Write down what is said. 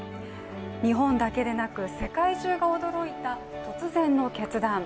日本だけでなく、世界中が驚いた突然の決断。